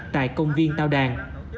tại công viên tào đàn